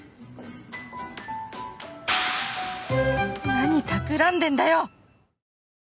何たくらんでんだよ！